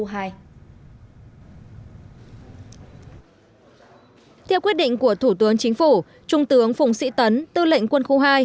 theo quyết định của thủ tướng chính phủ trung tướng phùng sĩ tấn tư lệnh quân khu hai